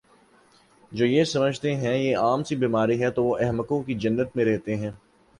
جو یہ سمجھتے ہیں یہ عام سی بیماری ہے تو وہ احمقوں کی جنت میں رہتے ہیں